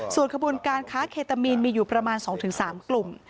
ส่วนขบวนการค้าเคตามีนมีอยู่ประมาณ๒๓กลุ่ม